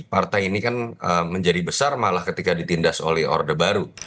partai ini kan menjadi besar malah ketika ditindas oleh orde baru